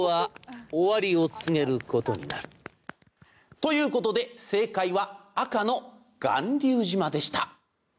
ということで正解は赤の巌流島でした。